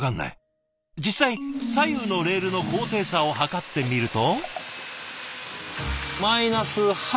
実際左右のレールの高低差を測ってみると。